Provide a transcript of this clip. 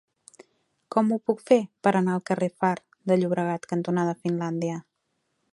Com ho puc fer per anar al carrer Far de Llobregat cantonada Finlàndia?